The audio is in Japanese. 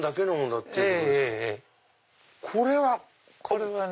これは？